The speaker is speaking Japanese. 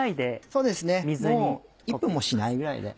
そうですねもう１分もしないぐらいで。